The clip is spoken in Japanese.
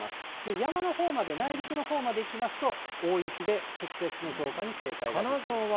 山のほうまで、内陸のほうまでいきますと大雪で、積雪の増加に警戒が必要です。